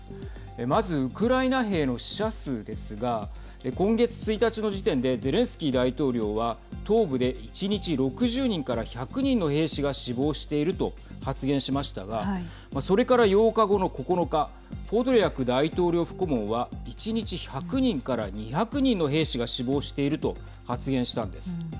まずウクライナ兵の死者数ですが今月１日の時点でゼレンスキー大統領は東部で１日６０人から１００人の兵士が死亡していると発言しましたがそれから８日後の９日ポドリャク大統領府顧問は１日１００人から２００人の兵士が死亡していると発言したんです。